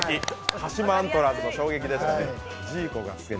鹿島アントラーズの衝撃でしたね。